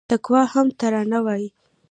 تقوا هم ترانه وايي